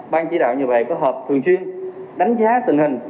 ban chỉ đạo nhà bè có hợp thường chuyên đánh giá tình hình